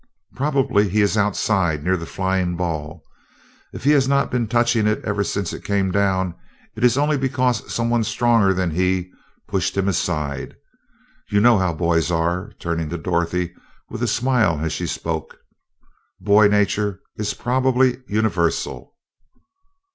"Probably he is outside, near the flying ball. If he has not been touching it ever since it came down, it is only because someone stronger than he pushed him aside. You know how boys are," turning to Dorothy with a smile as she spoke, "boy nature is probably universal."